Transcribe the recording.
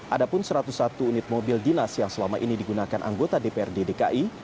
ada pun satu ratus satu unit mobil dinas yang selama ini digunakan anggota dprd dki